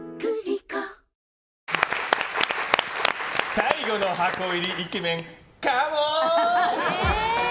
最後の箱入りイケメンカモーン！